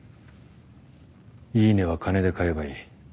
イイネは金で買えばいい。